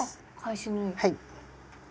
はい。